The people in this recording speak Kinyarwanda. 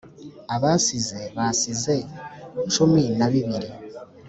Abasize basize cumi na bibiri